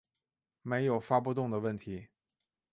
没有发不动的问题